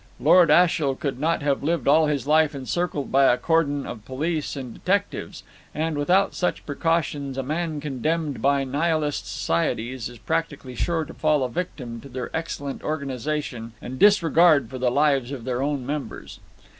Lord Ashiel could not have lived all his life encircled by a cordon of police and detectives; and, without such precautions, a man condemned by Nihilist societies is practically sure to fall a victim to their excellent organization and disregard for the lives of their own members.